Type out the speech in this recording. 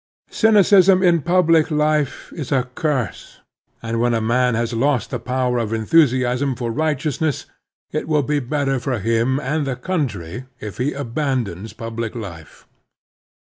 Cynicism in public life is a curse, and when a man has lost the power of enthusiasm for righteousness it will be better for him and the country if he abandons public life.